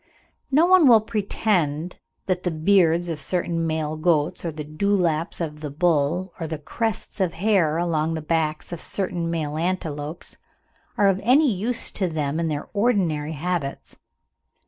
No one will pretend that the beards of certain male goats, or the dewlaps of the bull, or the crests of hair along the backs of certain male antelopes, are of any use to them in their ordinary habits.